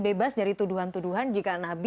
bebas dari tuduhan tuduhan jika nabi